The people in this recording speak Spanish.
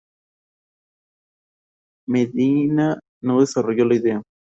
Medina no desarrolló la idea.